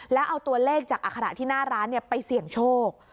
แล้วเอาตัวเลขจากอัคระที่หน้าร้านไปเสี่ยงโชค